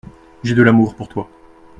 J’ai de l’amour pour toi.